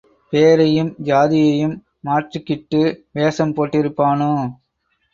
... பேரையும் ஜாதியையும் மாற்றிக்கிட்டு வேஷம் போட்டிருப்பானோ?